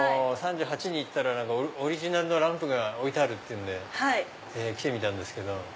「３８」にオリジナルのランプが置いてあるっていうんで来てみたんですけど。